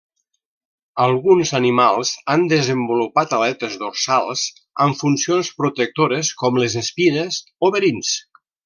Alguns animals han desenvolupat aletes dorsals amb funcions protectores, com les espines o verins.